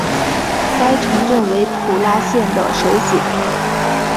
该城镇为普拉县的首府。